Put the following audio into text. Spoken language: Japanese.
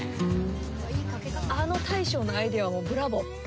あの大将のアイデアブラボー。